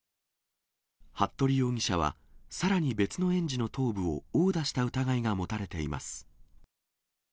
服部容疑者は、さらに別の園児の頭部を殴打した疑いが持たれています。